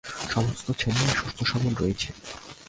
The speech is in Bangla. সমস্ত ছেলেরাই সুস্থ-সবল রয়েছে।